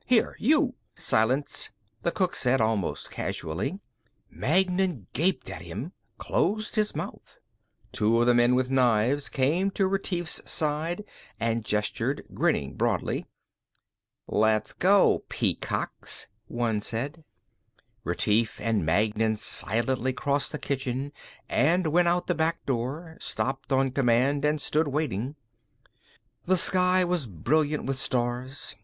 "Here, you " "Silence," the cook said, almost casually. Magnan gaped at him, closed his mouth. Two of the men with knives came to Retief's side and gestured, grinning broadly. "Let's go, peacocks," one said. Retief and Magnan silently crossed the kitchen, went out the back door, stopped on command and stood waiting. The sky was brilliant with stars.